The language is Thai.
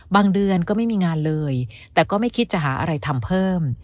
เดือนก็ไม่มีงานเลยแต่ก็ไม่คิดจะหาอะไรทำเพิ่ม